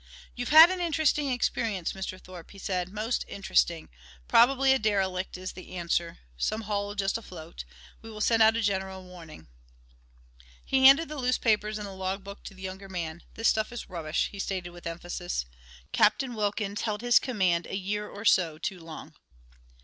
"You've had an interesting experience, Mr. Thorpe," he said. "Most interesting. Probably a derelict is the answer, some hull just afloat. We will send out a general warning." He handed the loose papers and the log book to the younger man. "This stuff is rubbish," he stated with emphasis. "Captain Wilkins held his command a year or so too long."